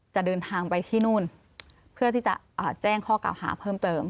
จะเดินทางไปที่นู่นเพื่อที่จะแจ้งข้อกล่าวหาเพิ่มเติม